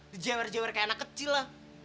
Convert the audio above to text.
dijewer jewer kayak anak kecil lah